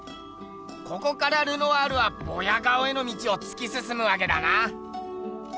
ここからルノワールはボヤ顔への道をつきすすむわけだな。